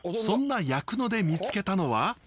そんな夜久野で見つけたのは。